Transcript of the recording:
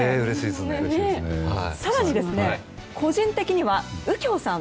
更に、個人的には右京さん